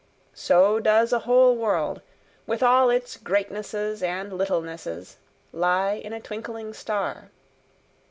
So does a whole world, with all its greatnesses and littlenesses, lie in a twinkling star.